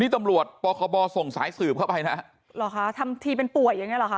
ตำรวจปคบส่งสายสืบเข้าไปนะฮะหรอคะทำทีเป็นป่วยอย่างเงี้เหรอคะ